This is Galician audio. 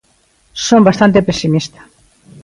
Son bastante pesimista.